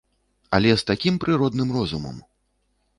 Але з такім прыродным розумам!